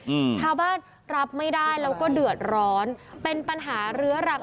อืมชาวบ้านรับไม่ได้แล้วก็เดือดร้อนเป็นปัญหาเรื้อรัง